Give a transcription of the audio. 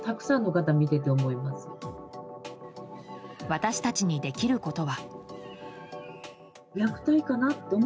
私たちにできることは。